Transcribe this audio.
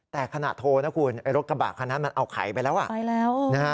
แต่ขณะโทรนะคุณรถกระบาดคนนั้นมันเอาไข่ไปแล้ว